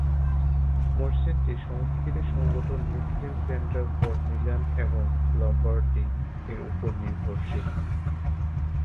মসজিদটি সাংস্কৃতিক সংগঠন "মুসলিম সেন্টার ফর মিলান এবং লমবার্ডি"-এর ওপর নির্ভরশীল।